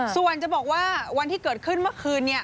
ส่วนจะบอกว่าวันที่เกิดขึ้นเมื่อคืน